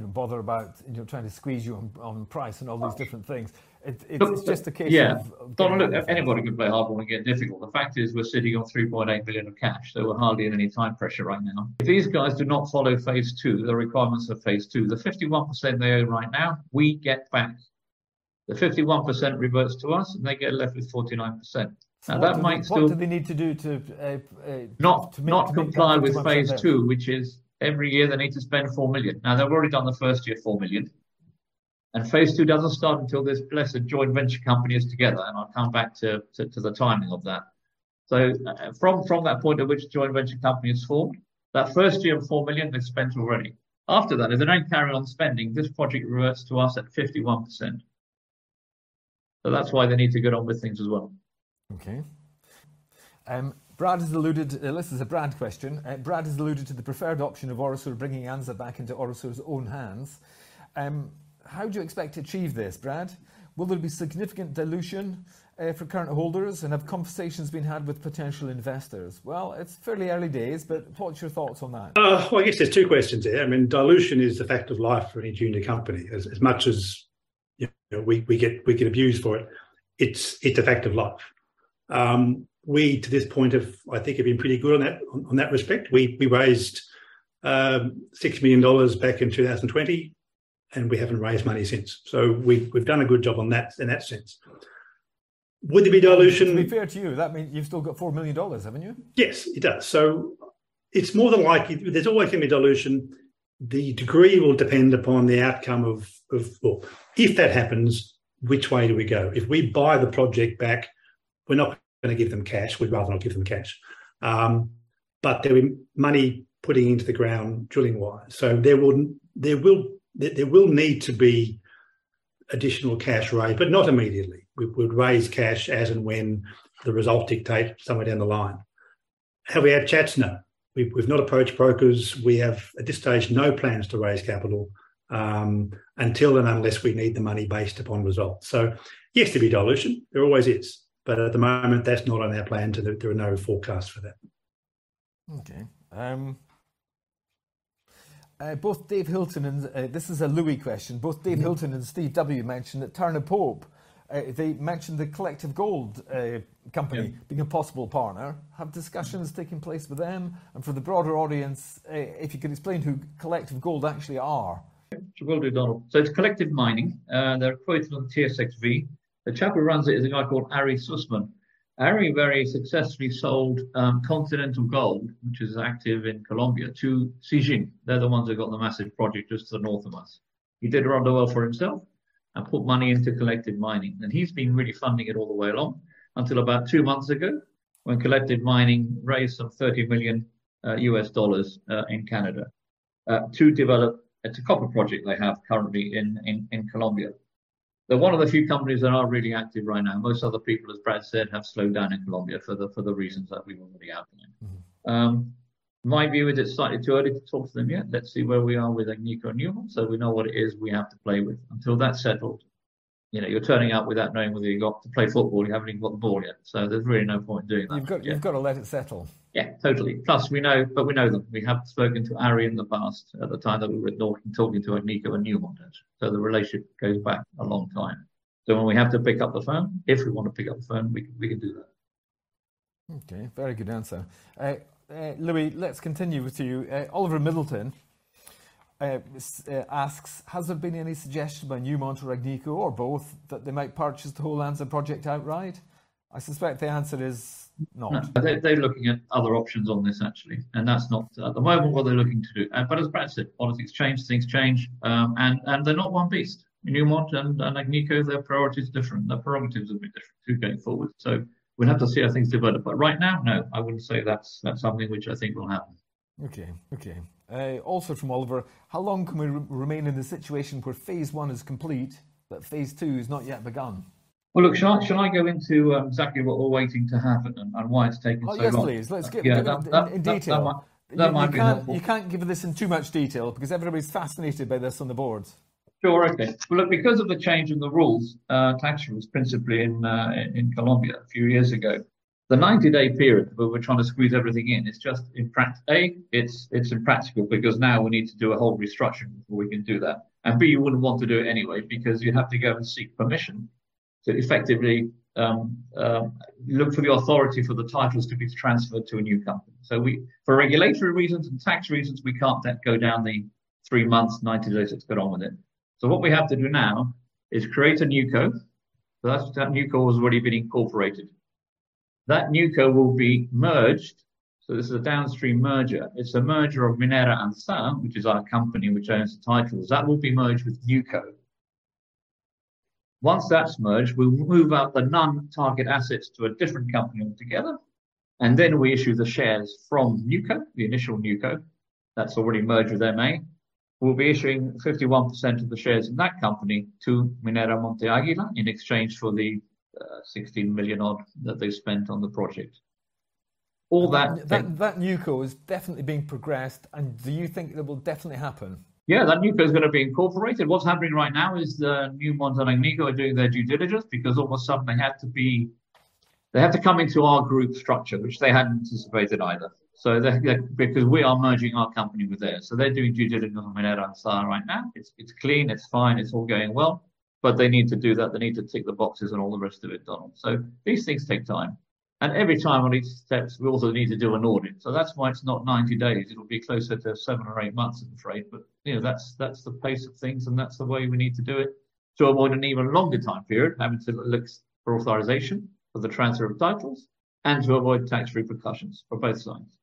know, bother about, you know, trying to squeeze you on price and all those different things. It's just a case of- Yeah. Donald, look, anybody can play hardball and get difficult. The fact is we're sitting on $3.8 billion of cash, so we're hardly in any time pressure right now. If these guys do not follow phase II, the requirements for phase II, the 51% they own right now, we get back. The 51% reverts to us, and they get left with 49%. Now, that might still- What do they need to do to? Not comply with phase II which is every year they need to spend $4 million. Now, they've already done the first year $4 million. Phase II doesn't start until this blessed joint venture company is together, and I'll come back to the timing of that. From that point at which the joint venture company is formed, that first year of $4 million they've spent already. After that, if they don't carry on spending, this project reverts to us at 51%. That's why they need to get on with things as well. Okay. This is a Brad question. Brad has alluded to the preferred option of Orosur bringing Anzá back into Orosur's own hands. How do you expect to achieve this, Brad? Will there be significant dilution for current holders? And have conversations been had with potential investors? Well, it's fairly early days, but what's your thoughts on that? Well, I guess there's two questions here. I mean, dilution is a fact of life for any junior company. As much as, you know, we get abused for it's a fact of life. To this point, I think, we have been pretty good on that respect. We raised $6 million back in 2020, and we haven't raised money since. We've done a good job on that in that sense. Would there be dilution? To be fair to you, that means you've still got $4 million, haven't you? Yes, it does. It's more than likely. There's always gonna be dilution. The degree will depend upon the outcome. Well, if that happens, which way do we go? If we buy the project back, we're not gonna give them cash. We'd rather not give them cash. There'll be money putting into the ground drilling wise. There will need to be additional cash raised, but not immediately. We'd raise cash as and when the result dictates somewhere down the line. Have we had chats? No. We've not approached brokers. We have, at this stage, no plans to raise capital until and unless we need the money based upon results. Yes, there'll be dilution. There always is. At the moment, that's not on our plan to do it. There are no forecasts for that. Okay. Both Dave Hilton and this is a Louis question. Mm-hmm. Both Dave Hilton and Steve W mentioned Turner Pope and the Collective Mining company- Yeah -being a possible partner. Have discussions taken place with them? For the broader audience, if you could explain who Collective Mining actually are. Sure. We'll do, Donald. It's Collective Mining, and they're quoted on TSXV. The chap who runs it is a guy called Ari Sussman. Ari very successfully sold Continental Gold, which is active in Colombia, to Zijin. They're the ones that got the massive project just to the north of us. He did rather well for himself and put money into Collective Mining. He's been really funding it all the way along until about two months ago when Collective Mining raised some $30 million in Canada to develop. It's a copper project they have currently in Colombia. They're one of the few companies that are really active right now. Most other people, as Brad said, have slowed down in Colombia for the reasons that we've already outlined. Mm-hmm. My view is it's slightly too early to talk to them yet. Let's see where we are with Agnico Eagle so we know what it is we have to play with. Until that's settled, you know, you're turning up without knowing whether you've got to play football. You haven't even got the ball yet. There's really no point doing that. You've got to let it settle. Yeah, totally. Plus we know them. We have spoken to Ari in the past at the time that we were talking to Agnico and Newmont. The relationship goes back a long time. When we have to pick up the phone, if we want to pick up the phone, we can do that. Okay. Very good answer. Louis, let's continue with you. Oliver Middleton asks, "Has there been any suggestion by Newmont or Agnico or both that they might purchase the whole Anzá Project outright?" I suspect the answer is no. No. They're looking at other options on this, actually, and that's not at the moment what they're looking to do. As Brad said, policies change, things change, and they're not one beast. Newmont and Agnico, their priorities are different. Their prerogatives will be different too going forward, so we'll have to see how things develop. Right now, no, I wouldn't say that's something which I think will happen. Okay, also from Oliver: "How long can we remain in the situation where phase I is complete but phase II is not yet begun? Well, look, shall I go into exactly what we're waiting to happen and why it's taking so long? Well, yes, please. Yeah, that. In detail. That might be helpful. You can't give this in too much detail because everybody's fascinated by this on the boards. Sure, okay. Well, look, because of the change in the rules, tax rules principally in Colombia a few years ago, the 90-day period where we're trying to squeeze everything in is just impractical because now we need to do a whole restructure before we can do that. B, you wouldn't want to do it anyway because you have to go and seek permission to effectively look for the authority for the titles to be transferred to a new company. For regulatory reasons and tax reasons, we can't then go down the three months, 90 days, let's get on with it. What we have to do now is create a new co. That's that new co has already been incorporated. That new co will be merged, so this is a downstream merger. It's a merger of Minera Anzá, which is our company which owns the titles. That will be merged with new co. Once that's merged, we'll move out the non-target assets to a different company altogether, and then we issue the shares from new co, the initial new co that's already merged with MA. We'll be issuing 51% of the shares in that company to Minera Monte Águila in exchange for the $16 million odd that they spent on the project. All that. That new co is definitely being progressed, and do you think it will definitely happen? Yeah, that new co is gonna be incorporated. What's happening right now is the Newmont and Agnico are doing their due diligence because all of a sudden they have to be they have to come into our group structure, which they hadn't anticipated either. They're because we are merging our company with theirs. They're doing due diligence on Minera Anzá right now. It's clean, it's fine, it's all going well. But they need to do that. They need to tick the boxes and all the rest of it, Donald. These things take time. Every time on each steps, we also need to do an audit. That's why it's not 90 days. It'll be closer to seven or eight months, I'm afraid. You know, that's the pace of things, and that's the way we need to do it to avoid an even longer time period, having to look for authorization for the transfer of titles and to avoid tax repercussions for both sides.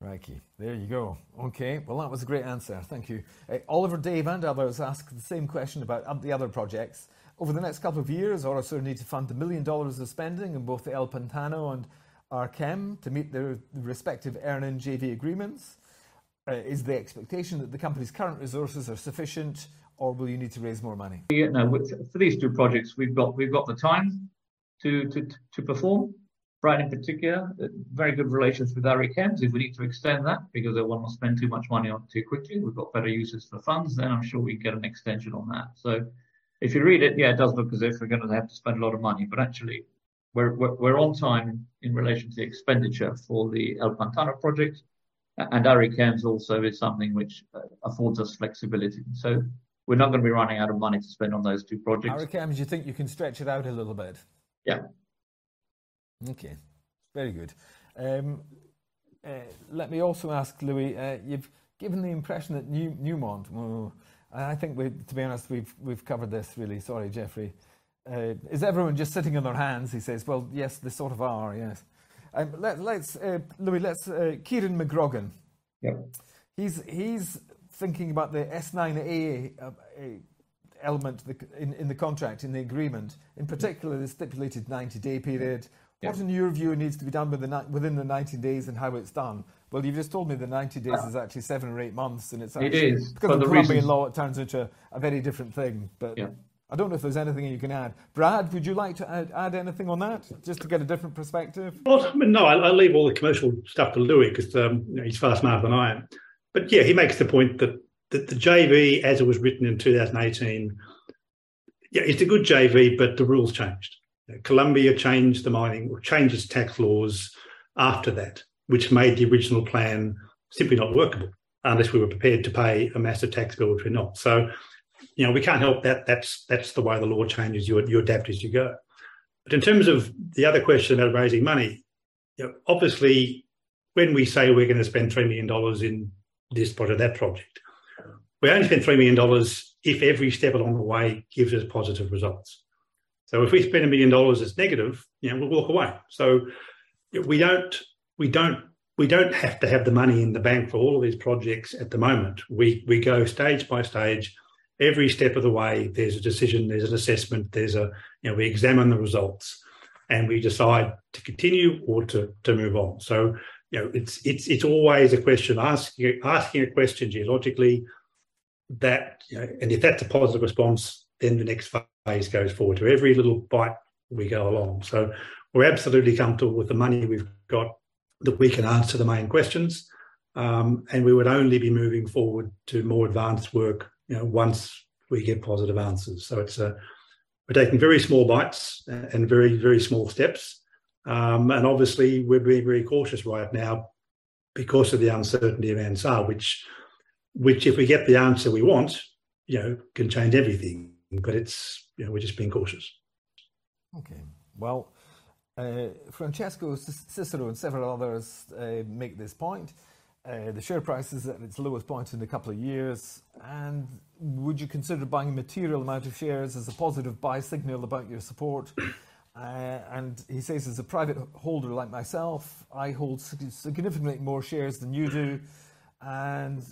Rightly. There you go. Okay. Well, that was a great answer. Thank you. Oliver, Dave, and others ask the same question about the other projects. Over the next couple of years, Orosur still need to fund $1 million of spending in both the El Pantano and Anzá to meet their respective earn-in JV agreements. Is the expectation that the company's current resources are sufficient, or will you need to raise more money? Yeah, no. With for these two projects, we've got the time to perform. Brad in particular, very good relations with Anzá. If we need to extend that because they wouldn't want to spend too much money on it too quickly, we've got better uses for funds, then I'm sure we'd get an extension on that. If you read it, yeah, it does look as if we're gonna have to spend a lot of money, but actually we're on time in relation to the expenditure for the El Pantano project. Anzá also is something which affords us flexibility. We're not gonna be running out of money to spend on those two projects. Anzá, do you think you can stretch it out a little bit? Yeah. Okay. Very good. Let me also ask Louis, you've given the impression that Newmont. Well, I think, to be honest, we've covered this really. Sorry, Jeffrey. Is everyone just sitting on their hands, he says? Well, yes, they sort of are. Yes. Let's Louis, let's Kieran McGrogan. Yeah. He's thinking about the Schedule 9A, the element in the contract, in the agreement. In particular, the stipulated 90-day period. Yeah. What in your view needs to be done within the 90 days and how it's done? Well, you've just told me the 90 days. Well- is actually seven or eight months, and it's actually. It is. For the reasons- Kind of rubbing along, it turns into a very different thing. Yeah I don't know if there's anything you can add. Brad, would you like to add anything on that just to get a different perspective? Well, I mean, no, I'll leave all the commercial stuff to Louis 'cause you know, he's far smarter than I am. Yeah, he makes the point that the JV, as it was written in 2018, it's a good JV, but the rules changed. Colombia changed the mining or tax laws after that, which made the original plan simply not workable unless we were prepared to pay a massive tax bill, which we're not. You know, we can't help that. That's the way the law changes. You adapt as you go. In terms of the other question about raising money, you know, obviously, when we say we're gonna spend $3 million in this part of that project, we only spend $3 million if every step along the way gives us positive results. If we spend $1 million that's negative, you know, we'll walk away. We don't have to have the money in the bank for all of these projects at the moment. We go stage by stage. Every step of the way, there's a decision, there's an assessment. You know, we examine the results, and we decide to continue or to move on. You know, it's always a question asking a question geologically that you know. If that's a positive response, then the next phase goes forward. Every little bite, we go along. We're absolutely comfortable with the money we've got that we can answer the main questions. We would only be moving forward to more advanced work, you know, once we get positive answers. We're taking very small bites and very, very small steps. Obviously, we're being very cautious right now because of the uncertainty of Anzá, which if we get the answer we want, you know, can change everything. It's, you know, we're just being cautious. Okay. Well, Francesco Cicero and several others make this point. The share price is at its lowest point in a couple of years, and would you consider buying material amount of shares as a positive buy signal about your support? He says, as a private holder like myself, I hold significantly more shares than you do, and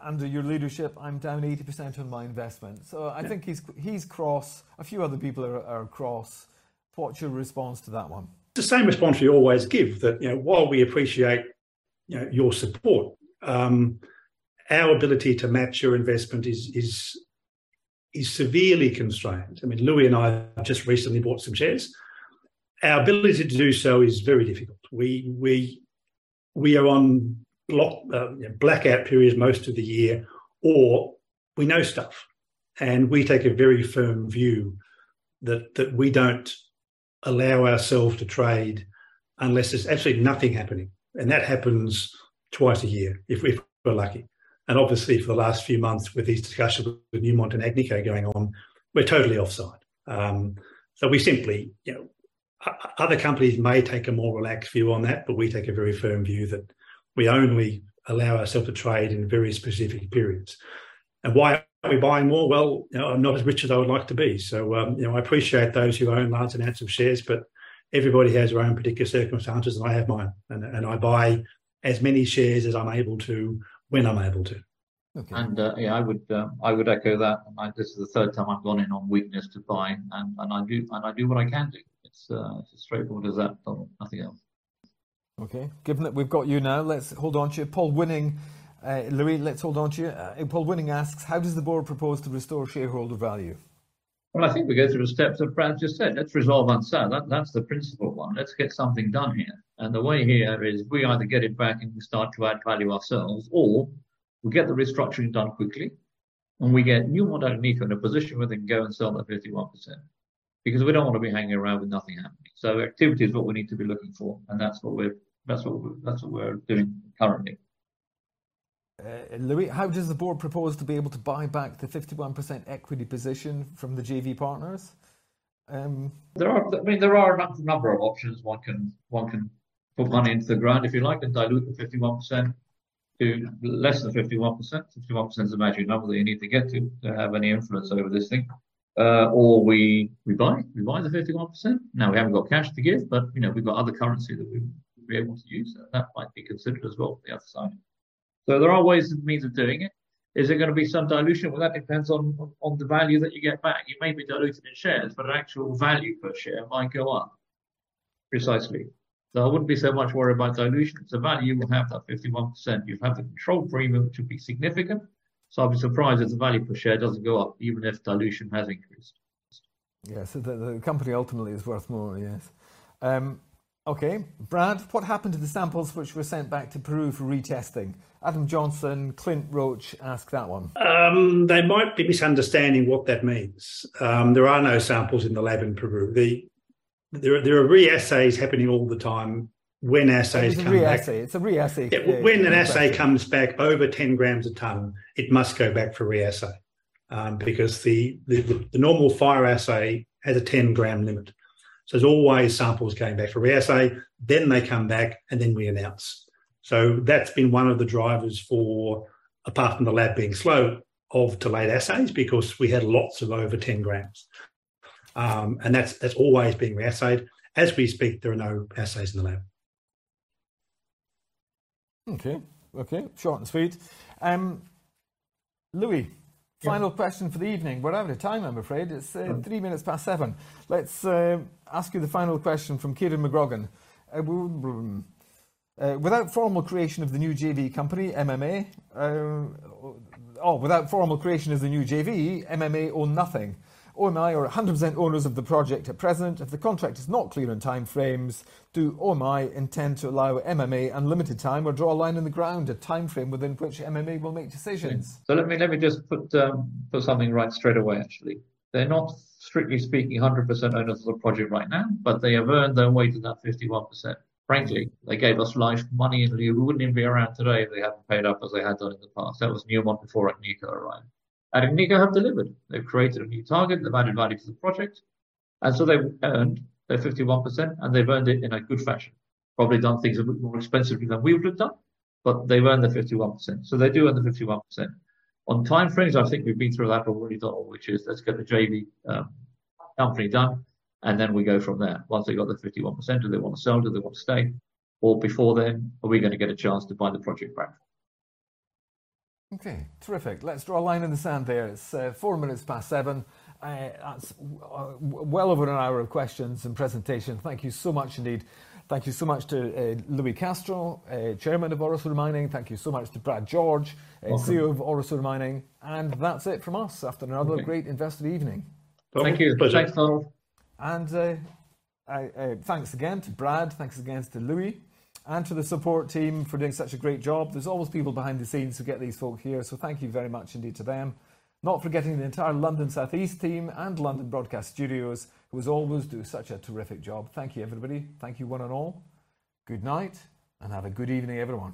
under your leadership, I'm down 80% on my investment. I think he's cross. A few other people are across. What's your response to that one? The same response we always give, that, you know, while we appreciate, you know, your support, our ability to match your investment is severely constrained. I mean, Louis and I have just recently bought some shares. Our ability to do so is very difficult. We are on blackout periods most of the year, or we know stuff, and we take a very firm view that we don't allow ourselves to trade unless there's absolutely nothing happening. That happens twice a year, if we're lucky. Obviously, for the last few months with these discussions with Newmont and Agnico going on, we're totally offside. We simply, you know, other companies may take a more relaxed view on that, but we take a very firm view that we only allow ourselves to trade in very specific periods. Why aren't we buying more? Well, you know, I'm not as rich as I would like to be. So, you know, I appreciate those who own large amounts of shares, but everybody has their own particular circumstances, and I have mine. And I buy as many shares as I'm able to when I'm able to. Okay. Yeah, I would echo that. This is the third time I've gone in on weakness to buy, and I do what I can do. It's as straightforward as that. Nothing else. Okay. Given that we've got you now, let's hold on to you. Paul Winning. Louis, let's hold on to you. Paul Winning asks, how does the board propose to restore shareholder value? Well, I think we go through the steps that Brad just said. Let's resolve and sell. That's the principal one. Let's get something done here. The way here is we either get it back and we start to add value ourselves, or we get the restructuring done quickly, and we get Newmont and Agnico in a position where they can go and sell that 51%. Because we don't wanna be hanging around with nothing happening. Activity is what we need to be looking for, and that's what we're doing currently. Louis, how does the board propose to be able to buy back the 51% equity position from the JV partners? There are a number of options. One can put money into the ground, if you like, and dilute the 51% to less than 51%. 51% is the magic number that you need to get to have any influence over this thing. We buy the 51%. Now, we haven't got cash to give, but you know, we've got other currency that we would be able to use. That might be considered as well with the other side. There are ways and means of doing it. Is it gonna be some dilution? Well, that depends on the value that you get back. You may be diluted in shares, but actual value per share might go up precisely. I wouldn't be so much worried about dilution 'cause the value, you will have that 51%. You have the control premium, which would be significant. I'd be surprised if the value per share doesn't go up, even if dilution has increased. Yeah. The company ultimately is worth more. Yes. Okay. Brad, what happened to the samples which were sent back to Peru for retesting? Adam Johnson, Clint Roach asked that one. They might be misunderstanding what that means. There are no samples in the lab in Peru. There are re-assays happening all the time when assays come back. It's a re-assay. Yeah. When an assay comes back over 10 grams a ton, it must go back for re-assay, because the normal fire assay has a 10-gram limit. There's always samples going back for re-assay, then they come back, and then we announce. That's been one of the drivers for, apart from the lab being slow, of delayed assays because we had lots of over 10 grams. That's always being re-assayed. As we speak, there are no assays in the lab. Okay. Short and sweet. Louis- Yeah. Final question for the evening. We're out of time, I'm afraid. It's Sure. Three minutes past seven. Let's ask you the final question from Kieran McGrogan. Without formal creation of the new JV, MMA own nothing. OMI are 100% owners of the project at present. If the contract is not clear on time frames, do OMI intend to allow MMA unlimited time or draw a line in the ground, a time frame within which MMA will make decisions? Let me just put something right straight away, actually. They're not strictly speaking 100% owners of the project right now, but they have earned their way to that 51%. Frankly, they gave us life, money. We wouldn't even be around today if they hadn't paid up as they had done in the past. That was Newmont before Agnico arrived. Agnico have delivered. They've created a new target. They've added value to the project. They've earned their 51%, and they've earned it in a good fashion. Probably done things a bit more expensively than we would have done, but they've earned the 51%. They do own the 51%. On time frames, I think we've been through that already, though, which is let's get the JV company done, and then we go from there. Once they've got the 51%, do they wanna sell? Do they wanna stay? Or before then, are we gonna get a chance to buy the project back? Okay. Terrific. Let's draw a line in the sand there. It's 7:04 P.M. That's well over an hour of questions and presentation. Thank you so much indeed. Thank you so much to Louis Castro, Chairman of Orosur Mining. Thank you so much to Brad George- Welcome. CEO of Orosur Mining. That's it from us after another great investor evening. Thank you. It was a pleasure. Thanks again to Brad, thanks again to Louis, and to the support team for doing such a great job. There's always people behind the scenes who get these folk here, so thank you very much indeed to them. Not forgetting the entire London South East team and London Broadcast Studios, who as always do such a terrific job. Thank you, everybody. Thank you one and all. Good night, and have a good evening, everyone.